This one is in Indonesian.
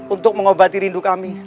untuk mengobati rindu kami